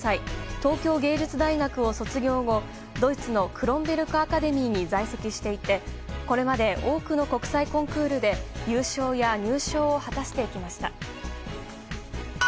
東京芸術大学を卒業後ドイツのクロンベルクアカデミーに在籍していてこれまで多くの国際コンクールで優勝や入賞を果たしてきました。